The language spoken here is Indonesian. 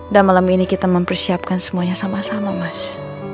dan malam ini kita mempersiapkan semuanya sama sama mas